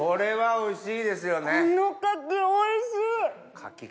おいしい！